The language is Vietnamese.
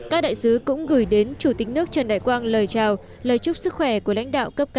các đại sứ cũng gửi đến chủ tịch nước trần đại quang lời chào lời chúc sức khỏe của lãnh đạo cấp cao